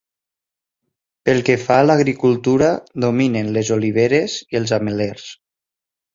Pel que fa a l’agricultura dominen les oliveres i els ametllers.